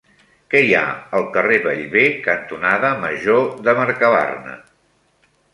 Què hi ha al carrer Bellver cantonada Major de Mercabarna?